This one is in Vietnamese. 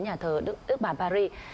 nhà thờ đức bà paris